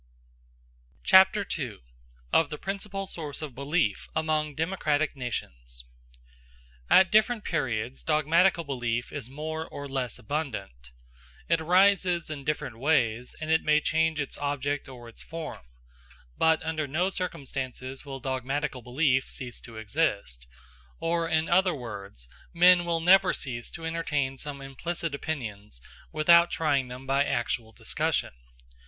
Chapter II: Of The Principal Source Of Belief Among Democratic Nations At different periods dogmatical belief is more or less abundant. It arises in different ways, and it may change its object or its form; but under no circumstances will dogmatical belief cease to exist, or, in other words, men will never cease to entertain some implicit opinions without trying them by actual discussion.